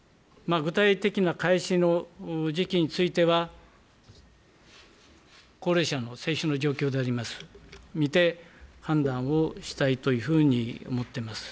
具体的な開始の時期については、高齢者の接種の状況であります、見て判断をしたいというふうに思っています。